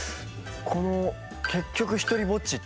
この「結局ひとりぼっち」っていう。